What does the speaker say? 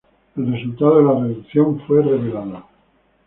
El resultado de la reducción fue revelada.